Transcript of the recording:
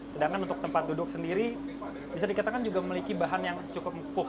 sedangkan untuk tempat duduk sendiri bisa dikatakan juga memiliki bahan yang cukup empuh